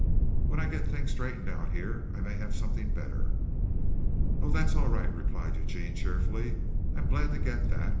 When I get things straightened out here I may have something better." "Oh, that's all right," replied Eugene cheerfully. "I'm glad to get that."